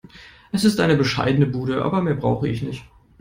Es ist eine bescheidene Bude, aber mehr brauche ich nicht.